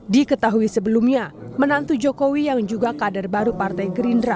diketahui sebelumnya menantu jokowi yang juga kader baru partai gerindra